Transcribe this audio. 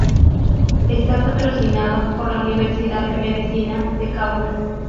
Está patrocinado por la Universidad de Medicina de Kaunas.